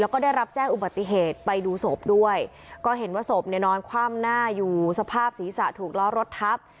แล้วก็ได้รับแจ้งอุบัติเหตุไปดูศพด้วยก็เห็นว่าศพเนี่ยนอนคว่ำหน้าอยู่สภาพศีรษะถูกล้อรถทับ